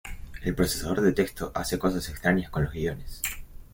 El procesador de texto hace cosas extrañas con los guiones.